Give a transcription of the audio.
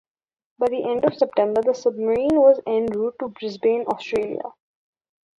By the end of September, the submarine was en route to Brisbane, Australia.